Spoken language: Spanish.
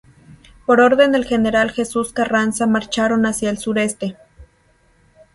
Por orden del general Jesús Carranza marcharon hacia el sureste.